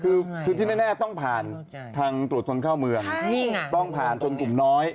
คือคือที่แน่ต้องผ่านทางตรวจคนเข้าเมืองต้องผ่านชนกลุ่มน้อย